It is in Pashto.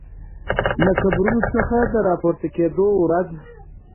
له قبرونو څخه د راپورته کیدو ورځ